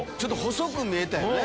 細く見えたよね